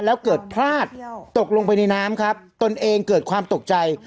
แล้วเกิดพลาดตกลงไปในน้ำครับตนเองเกิดความตกใจ